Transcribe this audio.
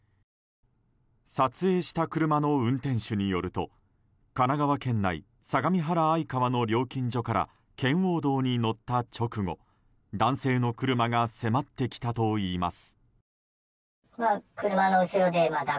撮影した車の運転手によると神奈川県内相模原愛川の料金所から圏央道に乗った直後男性の車が迫ってきたといいます。